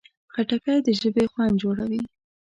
خټکی د ژبې خوند جوړوي.